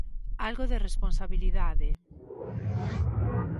Algo de responsabilidade.